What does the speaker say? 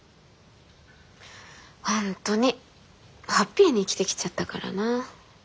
本当にハッピーに生きてきちゃったからな。